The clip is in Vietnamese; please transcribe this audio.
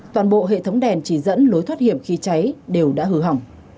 toàn bộ hệ thống đèn chỉ dẫn lối thoát hiểm khi cháy đều đã hư hỏng